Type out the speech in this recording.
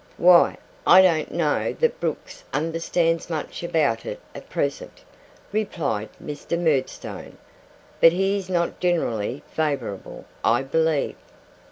'Why, I don't know that Brooks understands much about it at present,' replied Mr. Murdstone; 'but he is not generally favourable, I believe.